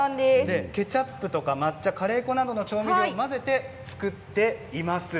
ケチャップや抹茶、カレー粉などの調味料を混ぜて作っています。